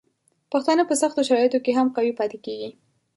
پښتانه په سختو شرایطو کې هم قوي پاتې کیږي.